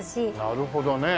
なるほどね。